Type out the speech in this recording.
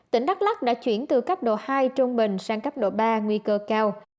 tỉnh đắk lắc đã chuyển từ cấp độ hai trung bình sang cấp độ ba nguy cơ cao